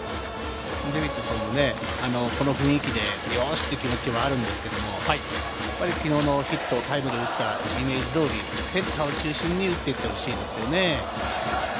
デビッドソンのこの雰囲気でよしという気持ちはあるんですけれど、やっぱりきのうのヒット、タイムリーを打ったイメージ通り、センターを中心に打っていってほしいですよね。